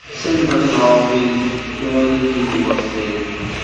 Seventy percent of his remaining kidney was saved.